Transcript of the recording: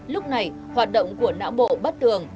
lúc này hoạt động của não bộ bắt đường